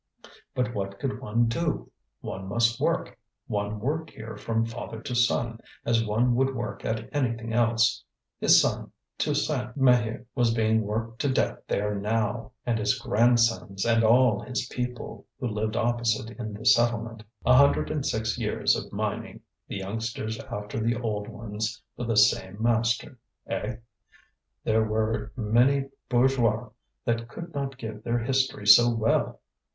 But what could one do? One must work; one worked here from father to son, as one would work at anything else. His son, Toussaint Maheu, was being worked to death there now, and his grandsons, and all his people, who lived opposite in the settlement. A hundred and six years of mining, the youngsters after the old ones, for the same master. Eh? there were many bourgeois that could not give their history so well!